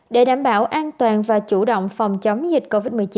để đảm bảo an toàn và chủ động phòng chống dịch covid một mươi chín